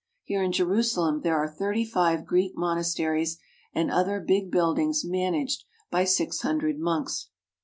Here in Jerusalem there are thirty five Greek monasteries and other big buildings managed by six hundred monks.